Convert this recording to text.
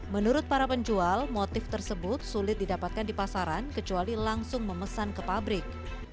menurut para penjual motif tersebut sulit didapatkan di pasaran kecuali langsung memesan ke pabrik